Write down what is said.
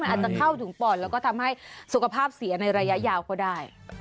อาจจะเข้าถึงปอดแล้วก็ทำให้สุขภาพเสียในระยะยาวก็ได้